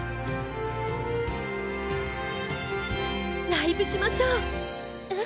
ライブしましょう！え？